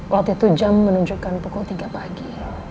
waktu itu jam menunjukkan pukul tiga pagi